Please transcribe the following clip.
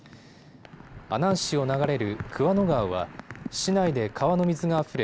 阿南市を流れる桑野川は市内で川の水があふれ